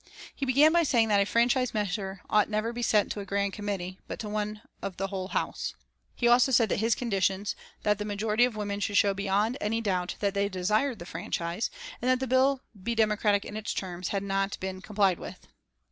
He began by saying that a franchise measure ought never to be sent to a Grand Committee, but to one of the Whole House. He said also that his conditions, that the majority of women should show beyond any doubt that they desired the franchise, and that the bill be democratic in its terms, had not been complied with.